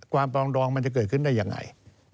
ปรองดองมันจะเกิดขึ้นได้ยังไง